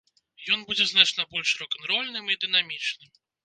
Ён будзе значна больш рок-н-рольным і дынамічным.